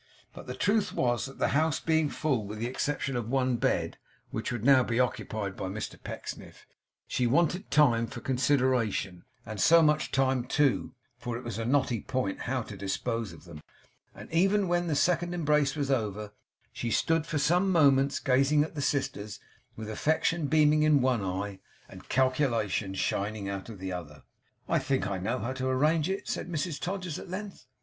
But the truth was that the house being full with the exception of one bed, which would now be occupied by Mr Pecksniff, she wanted time for consideration; and so much time too (for it was a knotty point how to dispose of them), that even when this second embrace was over, she stood for some moments gazing at the sisters, with affection beaming in one eye, and calculation shining out of the other. 'I think I know how to arrange it,' said Mrs Todgers, at length.